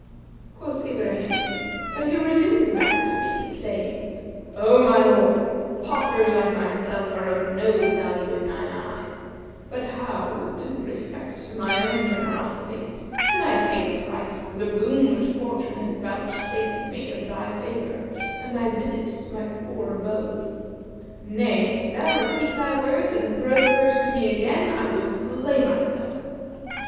(Quoth Ibrahim), But he resumed the bag to me, saying, 'O my lord, paupers like myself are of no value in thine eyes; but how, with due respect to my own generosity, can I take a price for the boon which fortune hath vouchsafed me of thy favour and thy visit to my poor abode? Nay, if thou repeat thy words and throw the purse to me again I will slay myself.'